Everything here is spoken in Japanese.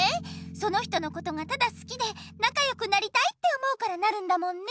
その人のことがただ好きでなかよくなりたいって思うからなるんだもんね。